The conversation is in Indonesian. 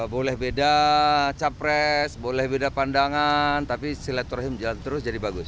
boleh beda capres boleh beda pandangan tapi silaturahim jalan terus jadi bagus